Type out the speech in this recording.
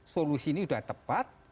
solusi ini sudah tepat